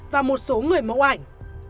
và một số người mẫu ảnh